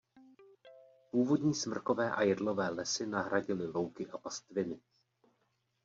Původní smrkové a jedlové lesy nahradily louky a pastviny.